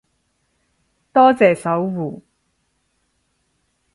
多謝守護